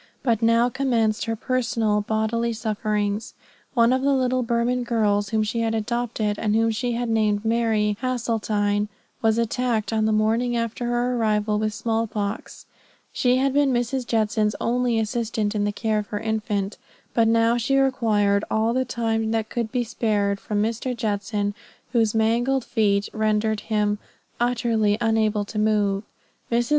But now commenced her personal, bodily sufferings. One of the little Burman girls whom she had adopted, and whom she had named Mary Hasseltine, was attacked on the morning after her arrival with small pox. She had been Mrs. Judson's only assistant in the care of her infant. But now she required all the time that could be spared from Mr. Judson, whose mangled feet rendered him utterly unable to move. Mrs.